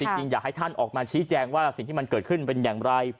อยากให้ท่านออกมาชี้แจงว่าสิ่งที่มันเกิดขึ้นเป็นอย่างไร